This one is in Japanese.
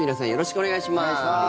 お願いします。